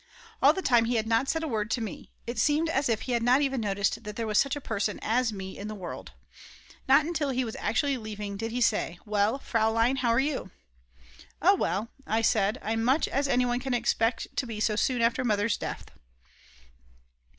All the time he had not said a word to me, it seemed as if he had not even noticed that there was such a person as me in the world Not until he was actually leaving did he say: "Well; Fraulein, how are you?" "Oh well," said I, "I'm much as anyone can expect to be so soon after Mother's death."